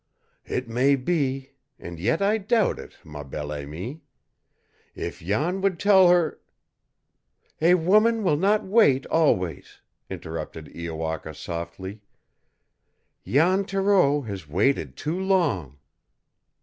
"It may be, and yet I doubt it, ma bien aimée. If Jan would tell her " "A woman will not wait always," interrupted Iowaka softly. "Jan Thoreau has waited too long!"